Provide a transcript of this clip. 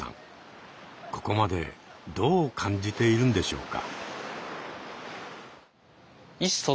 ここまでどう感じているんでしょうか？